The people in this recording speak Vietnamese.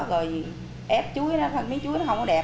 rồi ép chuối nó không có đẹp